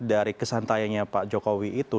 dari kesantainya pak jokowi itu